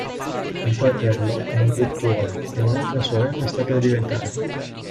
Il fratello è un dottore e un'altra sorella sta per diventarlo.